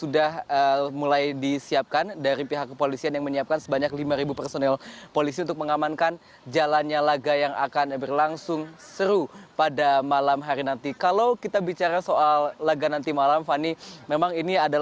dika selamat siang